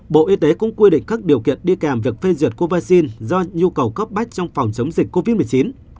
bộ y tế cũng quy định các điều kiện đi kèm việc phê duyệt covaxin do nhu cầu cấp bách trong phòng chống dịch covid một mươi chín